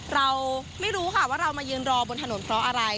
เราไม่รู้ค่ะว่าเรามายืนรอบนถนนเพราะอะไร